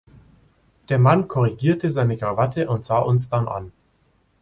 Der Mann korrigierte seine Krawatte und sah uns dann an.